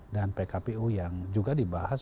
dan pkpu yang juga dibahas